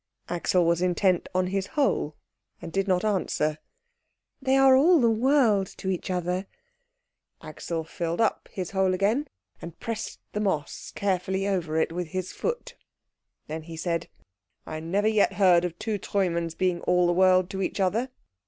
Axel was intent on his hole and did not answer. "They are all the world to each other." Axel filled up his hole again, and pressed the moss carefully over it with his foot. Then he said, "I never yet heard of two Treumanns being all the world to each other."